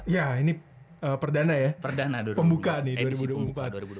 ya ini perdana ya pembuka nih dua ribu dua puluh empat